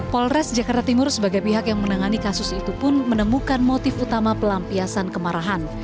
polres jakarta timur sebagai pihak yang menangani kasus itu pun menemukan motif utama pelampiasan kemarahan